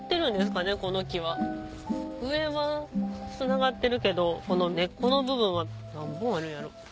上はつながってるけどこの根っこの部分は何本あるんやろ？